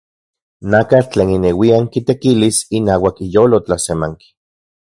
Nakatl tlen ineuian kitekilis inauak iyolo tlasemanki.